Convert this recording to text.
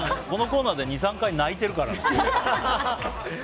このコーナーで２、３回泣いているからね。